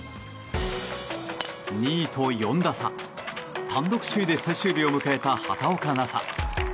２位と４打差単独首位で最終日を迎えた畑岡奈紗。